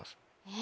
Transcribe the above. え？